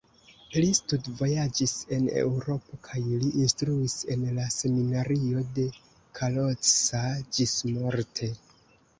Li studvojaĝis en Eŭropo kaj li instruis en la seminario de Kalocsa ĝismorte.